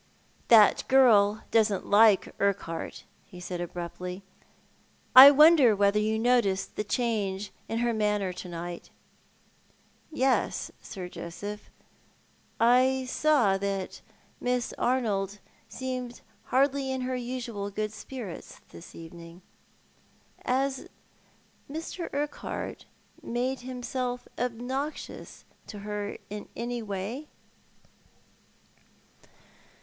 "That girl doesn't like Urquhart," he said, abruptly. "I wonder whether you noticed the change in her manner to night." " Yes, Sir Joseph, I saw that Miss Arnold seemed hardly in her usual good spirits this evening. Has Mr. Urquhart made himself obnoxious to her in any way